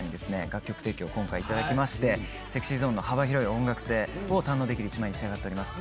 楽曲提供を今回頂きましてＳｅｘｙＺｏｎｅの幅広い音楽性を堪能できる１枚に仕上がっております。